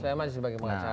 saya masih sebagai pengacara